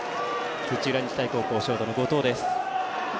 土浦日大高校ショートの後藤です。